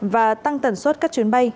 và tăng tần suất các chuyến bay